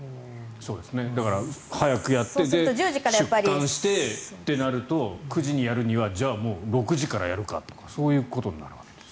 だから、早くやって出棺してってなると９時にやるにはじゃあもう６時からやるかとかそういうことになっちゃいます。